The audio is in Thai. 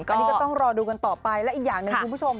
อันนี้ก็ต้องรอดูกันต่อไปและอีกอย่างหนึ่งคุณผู้ชม